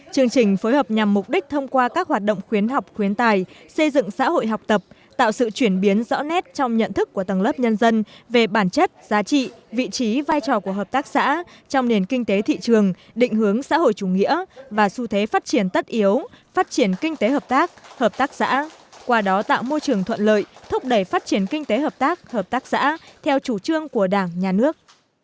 trường trình phối hợp nhằm mục đích thông qua các hoạt động khuyến học khuyến tài xây dựng xã hội học tập tạo sự chuyển biến rõ nét trong nhận thức của tầng lớp nhân dân về bản chất giá trị vị trí vai trò của hợp tác xã trong nền kinh tế thị trường định hướng xã hội chủ nghĩa và xu thế phát triển tất yếu phát triển kinh tế hợp tác hợp tác xã qua đó tạo môi trường thuận lợi thúc đẩy phát triển kinh tế hợp tác hợp tác xã theo chủ trương của đảng nhà nước